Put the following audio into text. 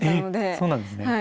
えっそうなんですね。